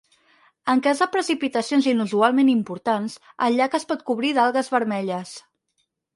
En cas de precipitacions inusualment importants, el llac es pot cobrir d'algues vermelles.